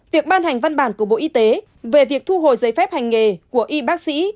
việc ban hành văn bản của bộ y tế về việc thu hồi giấy phép hành nghề của y bác sĩ